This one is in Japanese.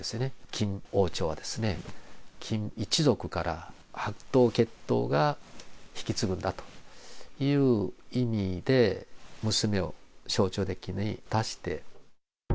キム王朝はキム一族から白頭血統が引き継ぐんだという意味で、娘を象徴的に出している。